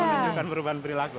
menunjukkan perubahan perilaku